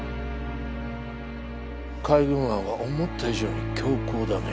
海軍案は思った以上に強硬だね。